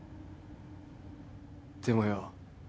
でもよ